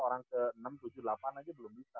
orang ke enam tujuh delapan aja belum bisa